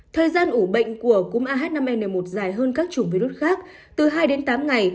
thời gian ủ bệnh của cúm ah năm n một dài hơn các chủng virus khác từ hai đến tám ngày